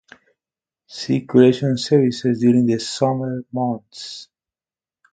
Circulation ceases during the summer months.